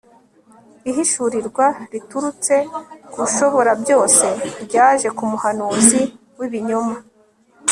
ihishurirwa riturutse ku Ushoborabyose ryaje ku muhanuzi wibinyoma